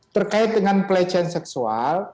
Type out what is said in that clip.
terkait dengan pelecehan seksual